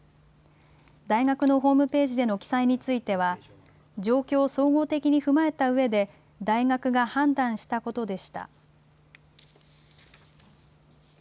大学のホームページでの記載については、状況を総合的に踏まえたうえで、大学が判断したことでした。